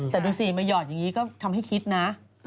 แต่ดูสิมาหยอดอย่างนี้ก็ทำให้คิดนะ